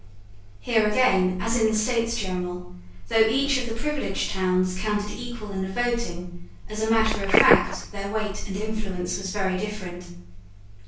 Here again, as in the States General, though each of the privileged towns counted equal in the voting, as a matter of fact their weight and influence was very different.